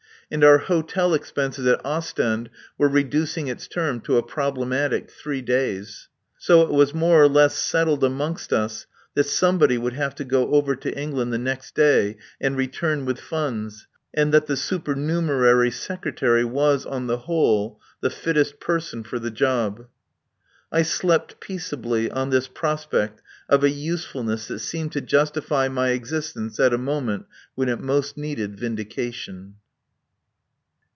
And our hotel expenses at Ostend were reducing its term to a problematic three days. So it was more or less settled amongst us that somebody would have to go over to England the next day and return with funds, and that the supernumerary Secretary was, on the whole, the fittest person for the job. I slept peaceably on this prospect of a usefulness that seemed to justify my existence at a moment when it most needed vindication.